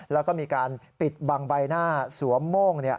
แล้วก็มีการปิดบังใบหน้าสวมโม่ง